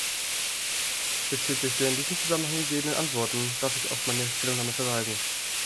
Bezüglich der in diesem Zusammenhang gegebenen Antworten darf ich auf meine Stellungnahme verweisen.